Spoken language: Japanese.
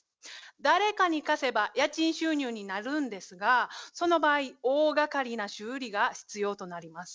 誰かに貸せば家賃収入になるんですがその場合大がかりな修理が必要となります。